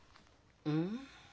うん？